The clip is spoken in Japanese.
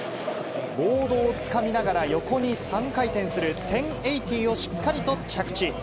ボードをつかみながら横に３回転する１０８０をしっかりと着地。